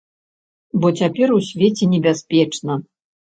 Бо цяпер у свеце небяспечна.